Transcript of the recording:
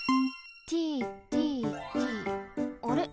ＴＴＴあれ？